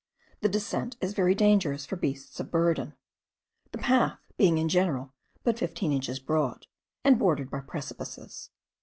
The descent is very dangerous for beasts of burden; the path being in general but fifteen inches broad, and bordered by precipices.